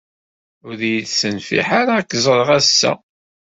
Ur yi-d-tenfiḥ ara ad k-ẓreɣ assa.